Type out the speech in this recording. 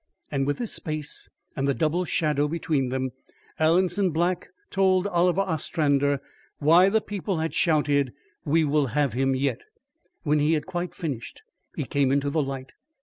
And with this space and the double shadow between them, Alanson Black told Oliver Ostrander why the people had shouted: "We will have him yet." When he had quite finished, he came into the light.